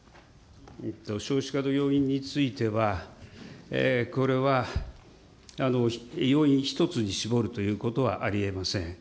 少子化の要因については、これは要因１つに絞るということはありえません。